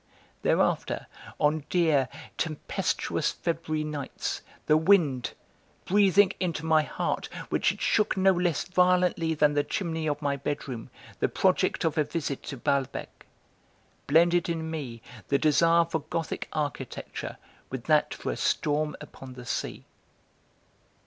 Thereafter, on dear, tempestuous February nights, the wind breathing into my heart, which it shook no less violently than the chimney of my bedroom, the project of a visit to Balbec blended in me the desire for gothic architecture with that for a storm upon the sea.